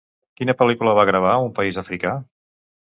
Quina pel·lícula va gravar a un país africà?